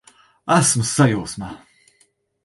Esmu sajūsmā!